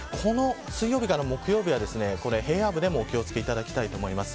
水曜日から木曜日は平野部でもお気を付けいただきたいです。